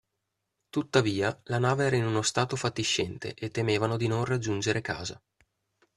Tuttavia, la nave era in uno stato fatiscente, e temevano di non raggiungere casa.